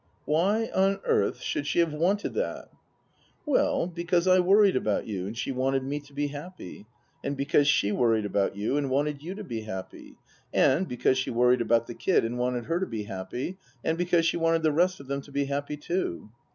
" Why on earth should she have wanted that ?"" Well because I worried about you, and she wanted me to be happy. And because she worried about you, and wanted you to be happy. And because she worried about the Kid, and wanted her to be happy. And because she wanted the rest of them to be happy too."